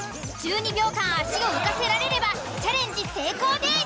１２秒間足を浮かせられればチャレンジ成功です。